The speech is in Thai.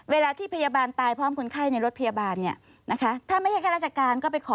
เวลาที่พยาบาลตายพร้อมคุณไข้ในรถพยาบาลเนี่ย